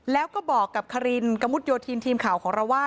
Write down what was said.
แล้วก็บอกกับคารินกระมุดโยธินทีมข่าวของเราว่า